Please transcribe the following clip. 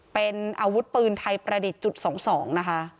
เป็นอาวุธปืนไทยประดิษฐ์จุด๒๒นะคะ